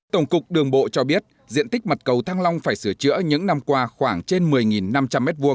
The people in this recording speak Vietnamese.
tổng cục đường bộ cho biết diện tích mặt cầu thăng long phải sửa chữa những năm qua khoảng trên một mươi năm trăm linh m hai